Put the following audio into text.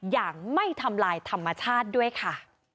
อย่างไม่ทำลายธรรมชาติด้วยค่ะ